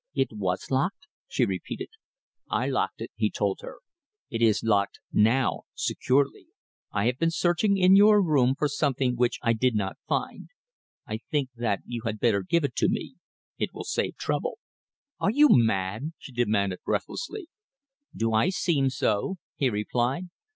"It was locked?" she repeated. "I locked it," he told her. "It is locked now, securely. I have been searching in your room for something which I did not find. I think that you had better give it to me. It will save trouble." "Are you mad?" she demanded breathlessly. "Do I seem so?" he replied.